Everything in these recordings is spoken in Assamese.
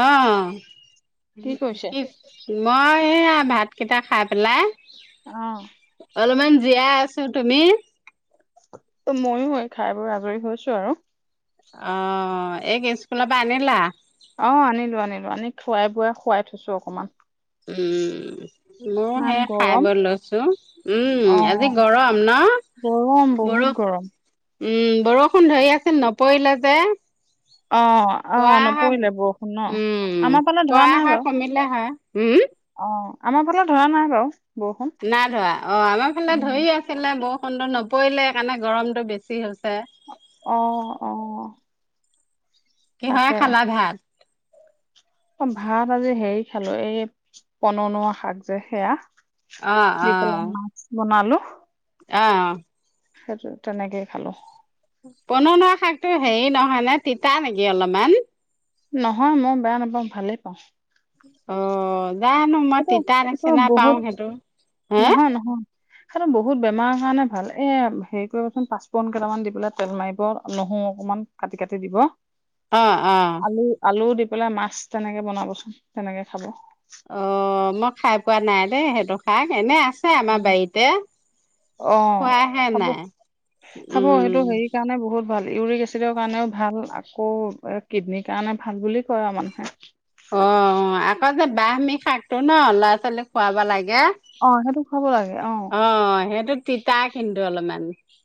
অ' কি মই সেয়া ভাত কেইটা খাই পেলাই। আহ। অলপমান জীয়াই আছো তুমি। ত ময়ো সেই খাই বৈ আজৰি হৈছো আৰু। অ'এই স্কুল বা আনিলা। অ'আনিলো আনিলো আনি খোৱাই বোৱাই খুৱাই থৈছো অকমান। উম' ময় ইমান সেই খাই ব গৰম লৈছো উম আজি অ', গৰম ন। গৰম বহুত বৰষ গৰম। উম বৰষুণ ধৰি আছিল নপৰিলে যে। অ', পোৱা অ', আহা নপৰিলে বৰষুণ ন' উম আমাৰ ফালে ধৰা পোৱা নাই শা বাৰু। কমিলে হয়। উম। অ', আমাৰ ফালে ধৰা নাই বাৰু। বৰষুণ। না ধৰা অ আমাৰ ফালে উম, ধৰি আছিলে বৰষুণটো নপৰিলে সেইকাৰণে গৰমতটো বেছি হৈছে। আহ, অ' কি হয় তাকে খালা ভাত। অ ভাত আজি হেৰি খালো এই পননোৱা শাক যে সেয়া অ', অ', জীতলাম নাথ বনালো অ সেই তেনেকেই খালো পননোৱা শাকটো হেৰি নহয় নে তিতা নেকি অলপমান নহয় মই বেয়া নাপাওঁ ভালেই পাওঁ অ জানো মই সেইটো তিতা সেইটো নিচিনা বহুত পাও সেইটো হে নহয় নহয় আৰু বহুত বেমাৰৰ কাৰণে ভাল এ হেৰি কৰিবচোন পাঁচ পোৰন কেইটামান দি পেলাই তেল মাৰিব অকমান কাটি কাটি দিব অ অ আলু আলু দি পেলাই মাছ তেনেকে বনাবচোন তেনেকে খাব অ মই খাই পোৱা নাই দেই সেইটো শাক এনে আছে আমাৰ বাৰীতে অ খোৱাহে খাব নাই খাব সেইটো উম হেৰি কাৰণে বহুত ভাল ইউৰিক এচিডৰ কাৰণেও ভাল আকৌ কিডনীৰ কাৰণে ভাল বুলি কয় আৰু মানুহে অ, আকৌ যে ব্ৰাহমি শাকটো ন ল'ৰা ছোৱালীক খুৱাব লাগে। অ', সেইটো খুৱাব লাগে অ সেইটো তিতা কিন্তু অলপমান।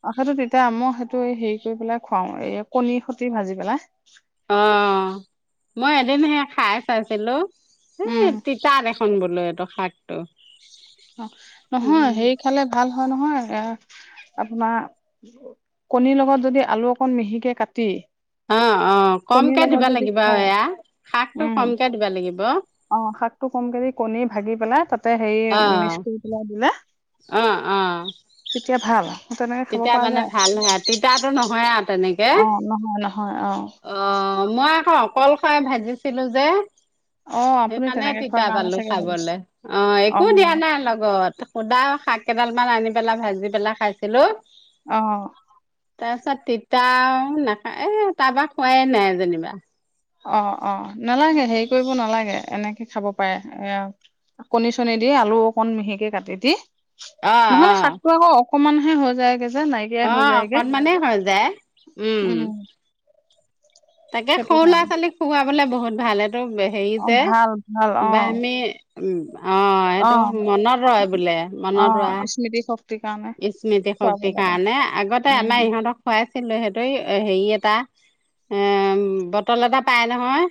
অ', সেইটো তিতা, মই সেইটো এ হেৰি কৰি পেলাই খুৱাও এ কণী খতি ভাজি পেলাই। অ', মই এদিন সেই খাই চাইছিলোঁ এ উম তিতা দেখখন বোলো এইটো শাকটো। অ', নহয় উম হেৰি খালে ভাল হয় নহয় এয়া আপোনাৰ কণীৰ লগত যদি আলু অকণ মিহিকে কাটি অ অ কণীৰ কমকে লগত দিবা যদি লাগিব খাই এয়া শাকটো উম কমকে দিবা লাগিব অ শাক টো কমকে দি কণী ভাগি পেলাই তাত মিষ্ট পেলাই দিলে আহ আহ তেতিয়া ভাল তেনেকে খাব তেতিয়া পৰা মানে যায় ভাল হয় আৰু তিতটো নহয় আৰু তেনেকে অ নহয় নহয় অ অ মই আকৌ অকলশাই ভাজিছিলো যে অ আপুনি সেইকাৰণে তেনেকে খোৱাৰ তিতা কাৰণে পালো চাগে ভাবিছে খাবলে অ', একো দিয়া নাই লগত সুদা শাক কেইডাল মান আনি পেলাই ভাজি পেলাই খাইছিলোঁ অ তাৰপিছত তিতাও না এ তাৰপা খোৱাই নাই যেনিবা। অ', অ', নালাগে হেৰি কৰিব নালাগে এনেকে খাব পাৰে, এ আৰু কণী চনী দি আলু অকণ মিহিকে কাটি দি। অ অ নহলে শাকটো আকৌ অকমান হে হৈ যায় গে যে নাইকিয়া অ হৈ যায়গে অকনমানেই হৈ যায় উম, তাকে সেইটো সৰু ল'ৰা কাৰণে ছোৱালীক খুৱাবলে বহুত ভাল আৰু অ হেৰিতে ভাল ভাল অ বা আমি উম অ', সেইটো অ মনত ৰয় বোলে মনত অ', স্মৃতি শক্তিৰ কাৰণে ৰোৱা স্মৃতি খুৱাব শক্তি সেই লাগে। কাৰণে আগতে উম, আমাৰ ইহঁতক খুৱাইছিলো সেইটো হেৰি এটা এ বটল এটা পাই নহয়।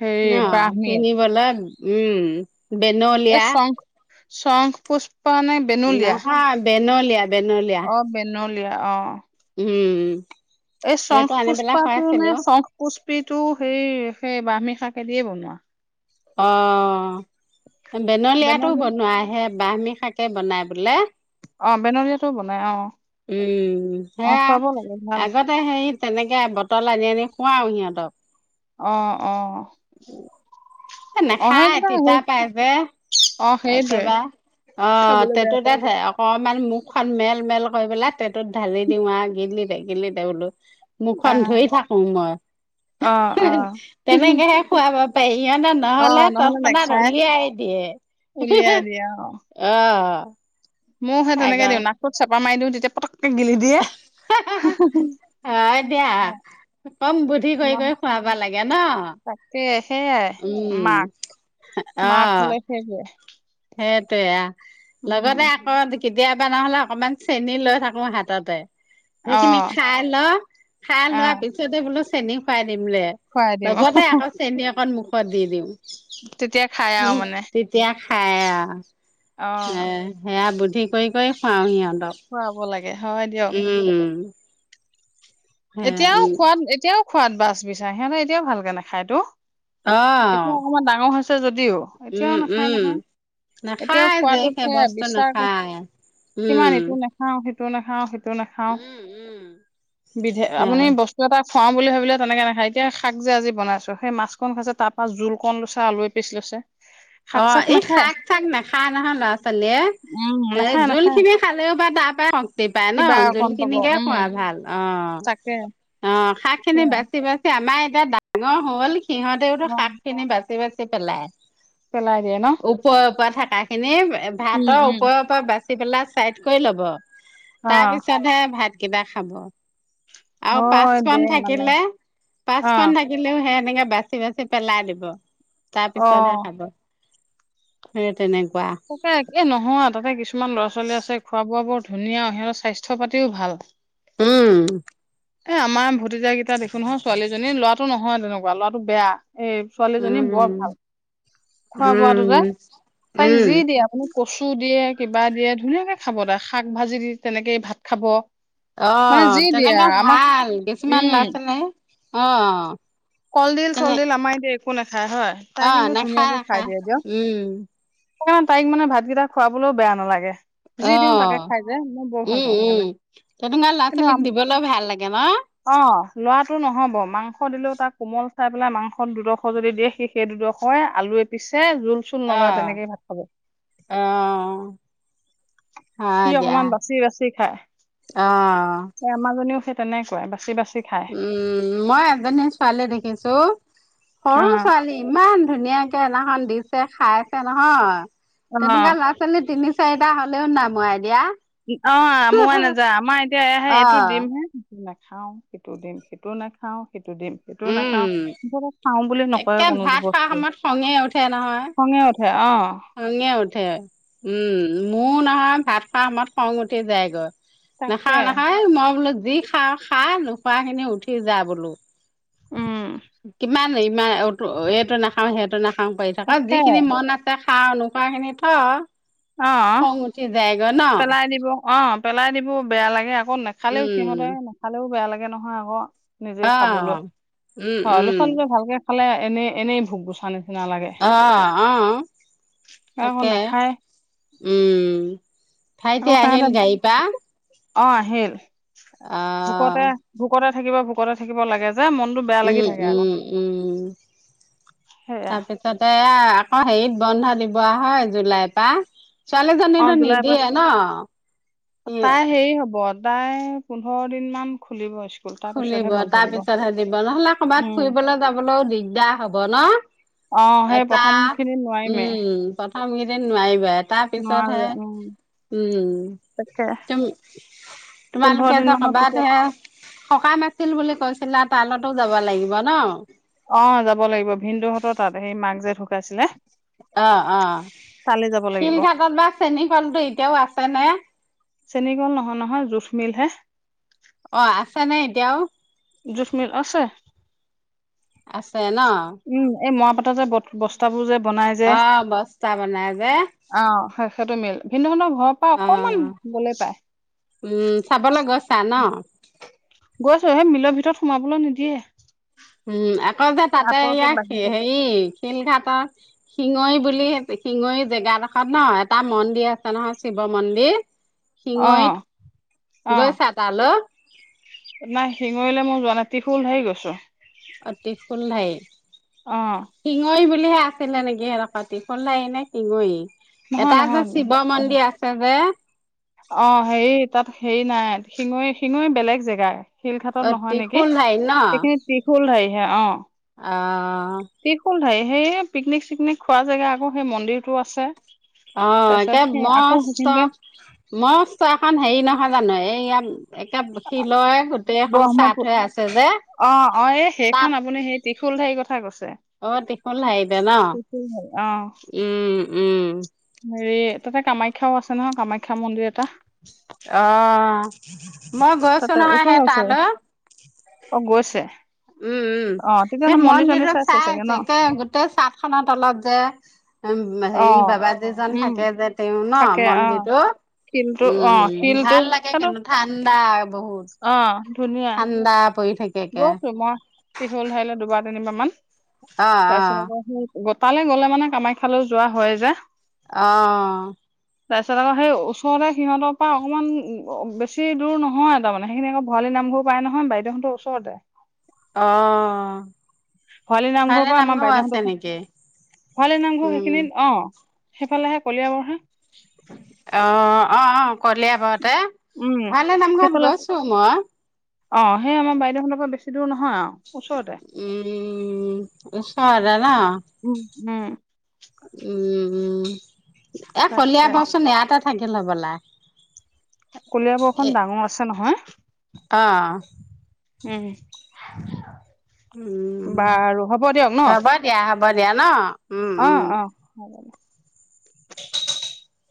হেৰি ন' ব্ৰাহ্মীৰ কিনিবলে উম, এই বেনলীয়া শং শংখ পুষ্পা নে? বেনুলীয়া? নহৈ ব্ৰেনলীয়া। অ', ব্ৰেনলীয়া অ', উম, এই চংখ সেইটো আনি পেলাই পুষ্পাটো নে খুৱাইছিলো চংখ পুষ্পিটো সেই-সেই ব্ৰাহমি শাক দিয়ে বনোৱা। অ', ব্ৰেনলিয়াটো বেনলী বনোৱা হে ব্ৰাহমি শাকে বনাই বোলে। অ', বেনলীয়াটো বনাই অ', উম, অ', সেয়া খুৱাব লাগে ভাল আগতে হেৰিত তেনেকে বটল আনি আনি খুৱাও সিহঁতক। অ', অ', উম, অ', নাখায় সেইকেইটা তিতা সেই পাই যে অ', সেইটোৱে একেবাৰে অ' খাবলৈ বেয়া তেটো পাওঁ দেহে অক মেল মুখখন মেল মেল কৰি পেলাই তেতুত ঢালি দিওঁ আৰু গিলি দে গিলি দে বোলো। মুখখন আহ ধুই থাকো মই অ', অ'। তেনেকেহে খুৱাব পাৰি ইহঁতক নহলে অ', তৎক্ষণা নেখায় উলিয়াই দিয়ে উলিয়াই অ', মই সেই আগ তেনেকে দিওঁ নাকটোত চেপা মাৰি দিওঁ তেতিয়া পটককে গিলি দিয়ে। অ', দিয়া কম বুদ্ধি কৰি নহ কৰি খুৱাবা লাগে ন। সেয়াই উম মাক মাক হলে সেইটোৱেই। সেইটোয়ে আৰ লগতে আকৌ কেতিয়াবা নহ'লে অকমান চেনি লৈ থাকো হাততে। অ সেইখিনি খাই ল খাই অ লোৱা পিছতে বোলো চেনি খুৱাই দিমে খুৱাই দিম অ লগতে আকৌ চেনি অকণ মুখত দি দিওঁ। তেতিয়া খাই আৰু মানে খায় আৰু অ এ সেয়া বুদ্ধি কৰি কৰি খুৱাও সিহঁত খুৱাব লাগে হয় দিয়ক উম উম এতিয়াও খোৱাত এতিয়াও খোৱাত বাচ বিচাৰে সিহঁতে এতিয়াও ভালকে নাখায় তো অহ এতিয়া অকণমান ডাঙৰ হৈছে যদিও এতিয়াও উম নাখায় উম নহয় এতিয়াও নাখায় যে খোৱাটোত সেই সেয়া বস্তু বিশ্বাস নাখায়। কিমান উম ইটো নাখাও সেইটো ইটো নাখাও সিটো নাখাও উম উম বিধে সেয়া আপুনি বস্তু এটা খুৱাওঁ বুলি ভাবিলে তেনেকে নাখায় এতিয়া শাক যে আজি বনাইছো, সেই মাছখন খাইছে তাত বা জোল কন লৈছে আলুু এপিচ লৈছে। শাক অ', চাক এই নাখায় শাক চাক নাখায় নহয় ল'ৰা ছোৱালীয়ে। উম, এ নাখায় জোল নাখায় খিনি খালেও বা ত টিপাই কিবা ন' জোল অকণ পাব খিনিকে উম, খোৱা ভাল অ', তাকে অ', শাক খিনি সেয়া বাচি বাচি আমাৰ এয়া ডাঙৰ হ'ল সিহঁতেওতো অ', শাক খিনি বাচি বাচি পেলাই। পেলাই দিয়ে ন? ওপৰৰ ওপৰে থকা খিনি উম, ভাতৰ উম, ওপৰৰ পৰা বাচি চি পেলা চাইড কৰি লব তাৰ অ', পিছতহে ভাত কিবা খাব আৰু হয় দে পাঁচপূকন মানে থাকিলে অ', পাঁচপূৰন থাকিলেও হে তেনেকে বাচি বাচি পেলাই দিব তাৰ অ'। পিছতহে খাব সেই তেনে তাকে নহয় তাতে কিছুমান ল'ৰা ছোৱালী আছে খোৱা বোৱা বোৰ ধুনীয়া সিহঁতৰ স্বাস্থ্য পাতিও ভাল উম এ আমাৰ ভতিজাকেইটা দেখোন নহয় ছোৱালীজনী ল'ৰাটো নহয় তেনেকুৱা ল'ৰাটো বেয়া এই ছোৱালীজনী বৰ উম, ভাল খোৱা বোৱাটোতোই উম, তাইক উম, যি দিয়ে মপুনি কচু দিয়ে কিবা দিয়ে ধুনীয়াকে খাব তাৰ শাক ভাজি দি তেনেকেই ভাত খাব অ মানে যি দিয়ে তেনেকে আৰু আমাক ভাল কিছুমান উম। লছেনেে অ কলডিল তেনে চলডিল আমাৰ দিয় একো নাখায় হয় তাই অ', কিন্তু নাখায় ধুনীয়াকে খাই নাখায় দিয়ে দিয়ক উম, সেইকাৰণে তাইক মানে ভাতকেইটা খুৱাবলৈও বেয়া নালাগে যি দিওঁ তাকে অ', খাই যে মই বৰ ভাল উম, পাওঁ উম, সেইকাৰণে তেনেকুৱা ল'ৰা কিন্তু ছোৱালীক আম দিবলৈ ভাল লাগে ন? অ লোৱাটো নহব মাংস দিলেও তাৰ কোমল চাই পেলাই মাংসত দুডোখ যদিয়ে সি সেই দুডোখই আলুৱে পিছে জোল চোল নলয় তেনেকেই ভাত খাব আহ সি অকমান বাচি বাচি খায় অ', স আমাৰাজীও সি তেনেকুৱাই বাচি বাচি খায় উম মই এজনী ছোৱালী দেখিছো অ সৰু ছোৱালী ইমান ধুনীয়াকে এনাখন দিছে খাইছে নহয় অ তেনেকুৱা ল'ৰা ছোৱালী তিনি চাৰিটা হ'লেও নাই মৰাই দিয়া অ মো নাযায় আমাৰ এতিয়া এ এইটো অ'। দিম হে নাখাও সেইটো দিম সেইটো নাখাও সেইটো দিম সেইটোও নাখাও উম, খাও বুলি নকয় একে কোনোো ভাত খোৱাৰ বস্তুৱে সময়ত খঙে ঙ উঠে অ সংঙ্ঞা উঠে উম মোৰো নহয় ভাত খোৱা সময়ত খং উঠি যায়গৈ নাখাও তাকে নাখায় মই বোলো যি খাওঁ খা নোখোৱা খিনি উঠি যা বোলো উম কিমান ইমান এইটো নাখাও সেইটো নাখাও পাৰি থাক তাকে যিখিনি মন আছে খা নোখোৱা খিনি থ অ খং উঠি যায়গৈ ন পেলাই দিব অ পেলাই দিব বেয়া লাগে আকৌ নেখালেও সিহঁতে উম, নাখালেও বেয়া লাগে নহয় আকৌ নিজে খাবলৈ অ'। উম, হয় লৰা উম, ছোৱালী যে ভালকে খালে এনে এনেই ভোক গুছা নি আহ আহ আকৌ তাকে নাখায় উম ভাইতে আকৌ আহিল সিহঁতে গাড়ীৰ পৰাা অ আহিল ভোকতে ভোকতে থাকিব ভোকতে থাকিব লাগে যে মনটো বেয়া লাগি উম থাকে আকৌ উম উম সেয়া তাৰপিছতে এয়া অ হেৰিত বন্ধ দিব হয় জুলাইৰ পৰা ছোৱালী অ জনিটো জুলাই পাঁচ নিদিয়ে ন সদায় পোন্ধৰ দিন মান খুলিব স্ক খুলিব তাৰ পিছতহে দিব নহলে ক'ৰবাত উম ফুৰিবলৈ যাবলৈও দিগদাৰ হব ন অ সেই এটা প্ৰথম খিনি নোৱাৰিমে উম প্ৰথম কেইদিন নোৱাৰিবা এটাৰ পিছতহে নোৱাৰোৱে উম উম তাকে তুম পোন্ধৰ তোমালোকে দিন যে মানৰ কবাত পিছত হে সকাম আাছিল বুলি কৈছিলা তালতো যাব লাগিব ন অ যাব লাগিব ভিনদুহঁতৰ তাত সেই মাক যে ধু আহ আহ তালৈ যাব লাগিব শিলঘাটত বা চেনী কলতটো এতিয়াও আছে নে চেনী গল নহয় নহয় জোঠমিলহে অ আছা নাই এতিয়াও জোখ্মিল আছে আছে ন উম এই মৰা পাতৰ যে বস্তাবোৰ যে বনাই যে অ বস্তা বনাই যে আহ শেষ টো মিল ভিন্ন ধৰ ঘৰৰ পৰা অ অকমান গলে পায় খানা গৈছো সেই মিলৰ ভিতৰত সোমাবলৈ নিদিয়ে উম আকৌ যে তাতে আঁতৰতে ইয়াক বাহিৰতে হেৰি শিলঘাটৰ শিঙৰি বুলি শিঙৰি জেগাডোখৰত ন এটা মন্দিৰ আছে নহয় শিৱ মন্দিৰ অ অ শিঙৈত গৈছা তালৈ নাই শিঙৰিলে মই যোৱা নাই টিফুল হেৰি গৈছো অঁ তিফুল অ শিঙৰি টিফুল আছিলে নেকি সেৰা পাতি [unintelligible] খল আহি নে সিঙৰি নহয় এটা নহয় যে শিৱ মন্দিৰ আছে যে অ হেৰি তাত হেৰি নাই শিঙৈ শিঙৈ বেলেগ জেগাই শিলঘাটত অ নহয় নেকি ত্ৰিশুলধাৰী সেইখিনি ত্ৰিশুল হেৰিহে অ আহ ত্ৰিশূলধাৰী সেই পিকনিক চিকনিক খোৱা জেগা আকৌ সেই মন্দিৰতটো আছে অ তাৰপিছত এে সেই আকৌ মস্ত সেইখিনিতে মস এখন হেৰি নহয় জানো এইয় একে শিলৰ গোটেই এখন চাট ব্ৰহ্মপুত্ৰ হৈ আছে যে অ অ এই সেইখন তাত আপুনি সেই ত্ৰিশুল ঠাৰি কথা কৈছে অ ত্ৰিশুল দাৰিতে ন ত্ৰিশূলধাৰী অ উম উম হেৰি তাতে কামাখ্যাও আছে নহয় কামাখ্যা মন্দিৰ এটা অ মই গৈছো তাতে নহয় ওচৰে সেই ওচৰে তালৈ অ গৈছে উম উম অ সেই তেতিয়াহ'লে মন্দিৰ চন্দিৰ মন্দিৰত চাইছে চাগে ন চাইছেকে গোটেই চাট খত অলপ যে উম অ হেৰি বাবাজিজন উম থাকে যে তেওঁ ন থাকে অ শিলটো মন্দিৰটোত অ উম শিলটো ভাল লাগে সেইটো কিন্তু ঠাণ্ডা অ বহুত ধুনীয়া ঠাণ্ডা পৰি থাকে একে গৈছো মই ত্ৰিশুল ধাৰিলে দুবাৰ তিনিবাৰ মান তাৰপিছত অ আকৌ সি তালে গ'লে মানে কামাখ্যালৈ যোৱা হয় যে আহ তাৰ পিছত আকৌ সেই ওচৰতে সিহঁতৰ পৰা অকণমান বেছি দূৰ নহয় তাৰ মমানে সেইখিনি আকৌ বহালি নাই মোৰ প নহয় বাইদেউহতৰ ওছৰতে অ ভৰালি নামঘৰৰ ভৰালে পৰা আমাৰ নামঘৰ আছে বাইদেউহঁত নেকি? ভৰালি নামঘৰ উম, সেইখিনিত অ সেইফালেহে কলিয়াবৰহা অ অ অ কলে আবতে উম ভৰালি নামঘৰত সেইফালে গৈছো মই অ সেই আমাৰ বাইদেউ হতৰ পৰা বেছি দূৰ নহয় আৰু ওচৰতে উম ওচৰতে ন উম উম উম, উম। এ তাকে কলিয়াবচোন ইয়াতে থাকিল হ'বলা। কলিয়াবৰখন এ ডাঙৰ আছে নহয়। অ, উম, উম, বাৰু হ'ব দিয়ক ন। হ'ব [unintelligible] ন? উম, অঁ, উম। অঁ। [inaudible]